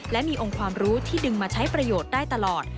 และมีองค์ความรู้ที่ดึงมาใช้ประโยชน์ได้ตลอด